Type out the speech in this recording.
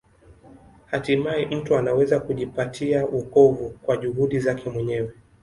Hatimaye mtu anaweza kujipatia wokovu kwa juhudi zake mwenyewe.